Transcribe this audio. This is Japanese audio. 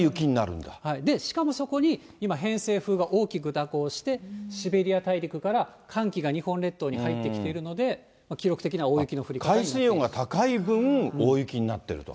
で、しかもそこに今、偏西風が大きく蛇行して、シベリア大陸から寒気が日本列島に入ってきているので、記録的な大雪の降り方になっています。